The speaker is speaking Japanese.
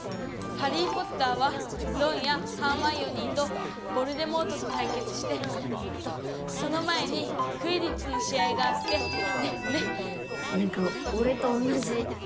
『ハリー・ポッター』はロンやハーマイオニーとヴォルデモートとたいけつしてえっとその前にクィディッチの試合があってでで」。